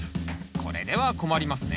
これでは困りますね